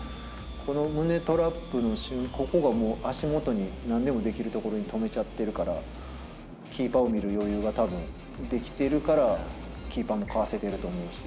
この胸トラップで、ここがもう足元になんでもできるところに止めちゃってるから、キーパーを見る余裕がたぶんできてるから、キーパーもかわせてると思うし。